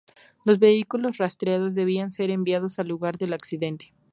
Los vehículos rastreados debían ser enviados al lugar del accidente.